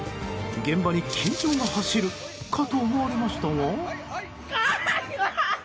現場に緊張が走るかと思われましたが。